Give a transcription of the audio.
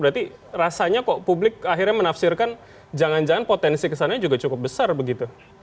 berarti rasanya kok publik akhirnya menafsirkan jangan jangan potensi kesannya juga cukup besar begitu